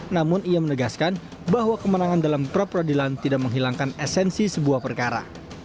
namun ia menegaskan bahwa kemenangan dalam pra peradilan tidak menghilangkan esensi sebuah perkara